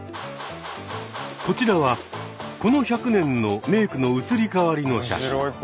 こちらはこの１００年のメークの移り変わりの写真。